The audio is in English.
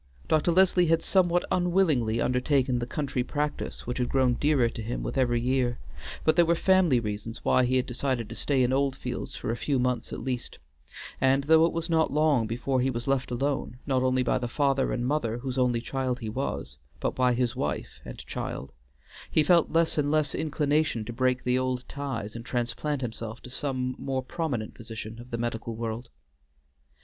Dr. Leslie had somewhat unwillingly undertaken the country practice which had grown dearer to him with every year, but there were family reasons why he had decided to stay in Oldfields for a few months at least, and though it was not long before he was left alone, not only by the father and mother whose only child he was, but by his wife and child, he felt less and less inclination to break the old ties and transplant himself to some more prominent position of the medical world.